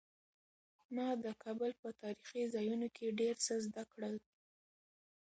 ما د کابل په تاریخي ځایونو کې ډېر څه زده کړل.